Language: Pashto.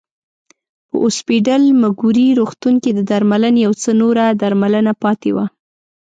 په اوسپیډل مګوري روغتون کې د درملنې یو څه نوره درملنه پاتې وه.